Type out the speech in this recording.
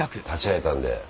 立ち会えたんで。